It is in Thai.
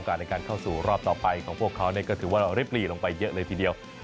โอกาสในการเข้าสู่รอบต่อไปของพวกเขาเนี่ยก็ถือว่าเรียบรีลงไปเยอะเลยทีเดียว